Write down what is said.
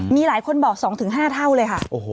มีหลายคนบอก๒๕เท่าเลยค่ะ